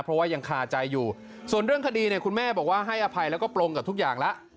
เพราะว่ายังคาใจอยู่ส่วนเรื่องคดีเนี่ยคุณแม่บอกว่าให้อภัยแล้วก็ปลงกับทุกอย่างแล้ว